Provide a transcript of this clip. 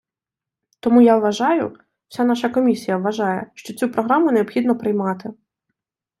Тому я вважаю, вся наша комісія вважає, що цю програму необхідно приймати.